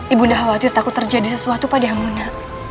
ibu nda khawatir takut terjadi sesuatu pada ibu nda